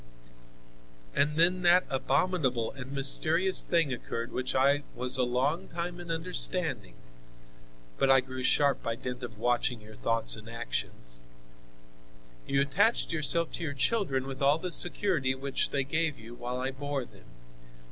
"And then that abominable and mysterious thing occurred which I was a long time in understanding (but I grew sharp by dint of watching your thoughts and actions): You attached yourself to your children with all the security which they gave you while I bore them.